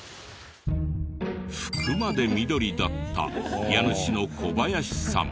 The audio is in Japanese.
服まで緑だった家主の小林さん。